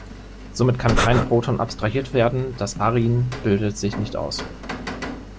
Somit kann kein Proton abstrahiert werden, das Arin bildet sich nicht aus.